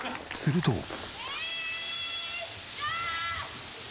すると。